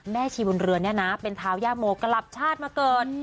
ชีบุญเรือนเนี่ยนะเป็นเท้าย่าโมกลับชาติมาเกิด